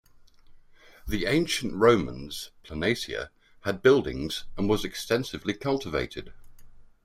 The ancient Romans' "Planasia" had buildings and was extensively cultivated.